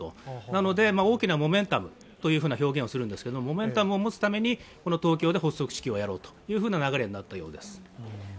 なので大きなモメンタム。モメンタムを持つためにこの東京で発足式をやろうという流れになったようです。